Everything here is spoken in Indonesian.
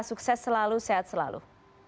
sukses selalu sehat selalu